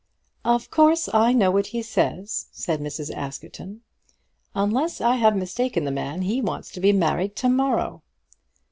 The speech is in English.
"Of course, I know what he says," said Mrs. Askerton. "Unless I have mistaken the man, he wants to be married to morrow."